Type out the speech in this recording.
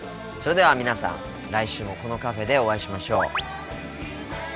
それでは皆さん来週もこのカフェでお会いしましょう。